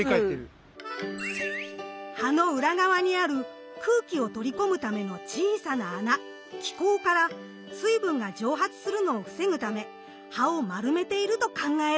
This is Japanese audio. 葉の裏側にある空気を取り込むための小さな穴「気孔」から水分が蒸発するのを防ぐため葉を丸めていると考えられるのです。